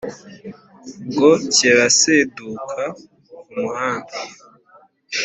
Ubwo kiraseduka mu muhanda